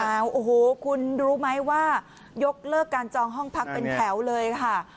โอ้โหคุณรู้ไหมว่ายกเลิกการจองห้องพักเป็นแถวเลยค่ะ